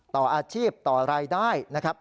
ต่ออาชีพต่อรายได้นะครับ